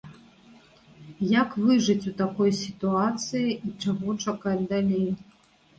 Як выжыць у такой сітуацыі і чаго чакаць далей?